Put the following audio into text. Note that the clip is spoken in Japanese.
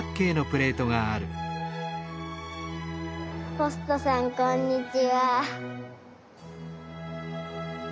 ポストさんこんにちは。